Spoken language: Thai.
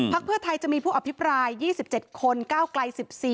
เพื่อไทยจะมีผู้อภิปราย๒๗คนก้าวไกล๑๔